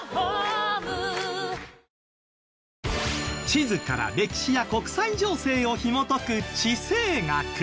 地図から歴史や国際情勢をひもとく。